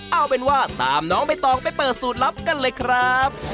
เอาเป็นว่าตามน้องใบตองไปเปิดสูตรลับกันเลยครับ